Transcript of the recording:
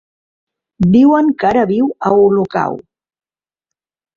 Diuen que ara viu a Olocau.